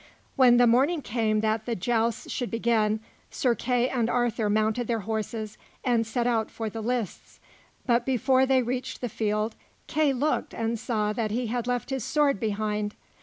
When the morning came that the jousts should begin, Sir Kay and Arthur mounted their horses and set out for the lists; but before they reached the field, Kay looked and saw that he had left his sword behind.